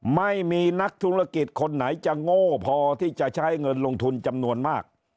ไม่มีนักธุรกิจคนไหนจะโง่พอที่จะใช้เงินลงทุนจำนวนมาก